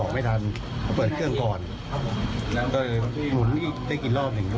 ก็เขาก็ปล่อยออกออกไปเลยอาวุธ